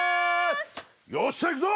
よっしゃ行くぞ！